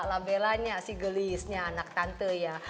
la bella nya si gelisnya anak tante ya